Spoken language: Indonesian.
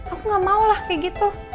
aku gak maulah kayak gitu